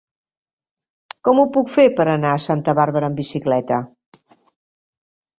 Com ho puc fer per anar a Santa Bàrbara amb bicicleta?